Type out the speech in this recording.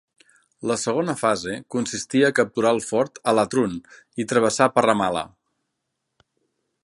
La segona fase consistia a capturar el fort a Latrun i travessar per Ramal·lah.